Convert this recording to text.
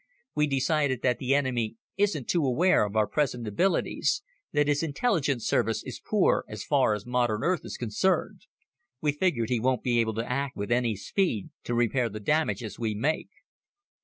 We decided that the enemy isn't too aware of our present abilities that his intelligence service is poor as far as modern Earth is concerned. We figure he won't be able to act with any speed to repair the damages we make."